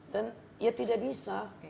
then ya tidak bisa